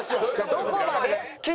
どこまで？